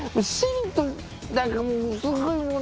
何かもうすっごいもう。